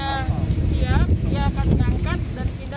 setelah siap dia akan diangkat dan diindahkan ke lokasi yang sudah ditemukan